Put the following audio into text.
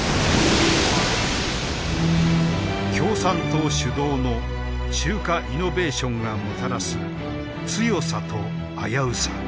共産党主導の中華イノベーションがもたらす強さと危うさ。